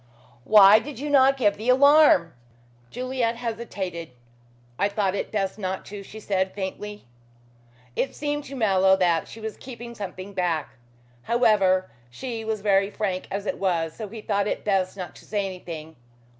"Why did you not give the alarm?" Juliet hesitated. "I thought it best not to," she said faintly. It seemed to Mallow that she was keeping something back. However, she was very frank as it was, so he thought it best not to say anything.